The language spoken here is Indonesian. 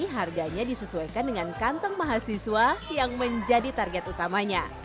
harganya disesuaikan dengan kantong mahasiswa yang menjadi target utamanya